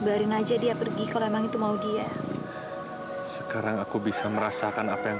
udah lah mas berin aja dia pergi kalau emang itu mau dia sekarang aku bisa merasakan apa yang